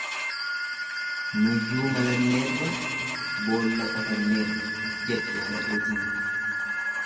Nuyyuu malanneerra boolla qotanneerra jette hantuutni.